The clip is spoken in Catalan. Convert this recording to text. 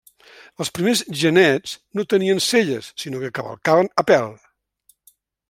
Els primers genets no tenien selles, sinó que cavalcaven a pèl.